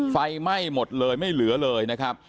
ไฟไหม้หมดเลยไม่เหลือเลยนะครับ